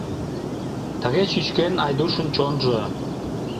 Тыге чӱчкен Айдушын чонжо.